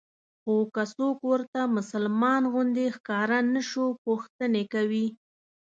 خو که څوک ورته مسلمان غوندې ښکاره نه شو پوښتنې کوي.